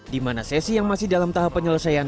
di mana sesi yang masih dalam tahap penyelesaian